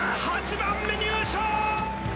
８番目入賞！